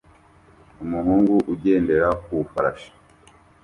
Umuhungu ugendera ku ifarashi